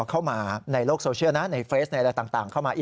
เข้ามาในโลกโซเชียลในเฟสข้าวจะเข้ามา